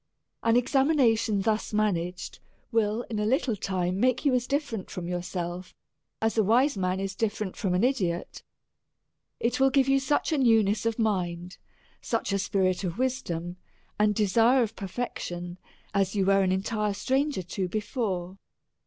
An ex amination thus managed, will in a little time make you as different from yourself as a wise man is differ ent from an ideot. It will give you such a newness of mind, such a spirit of wisdom, and desire of perfection, as you was an entire stranger to before.